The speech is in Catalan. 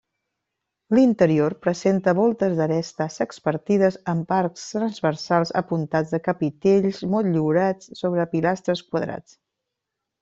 L'interior presenta voltes d'aresta sexpartides amb arcs transversals apuntats de capitells motllurats sobre pilastres quadrats.